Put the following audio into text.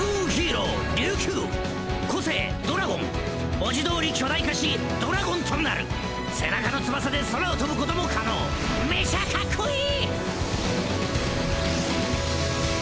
文字通り巨大化しドラゴンとなる背中の翼で空を飛ぶことも可能メチャかっこいい！